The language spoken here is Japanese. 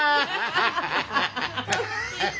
ハハハハ！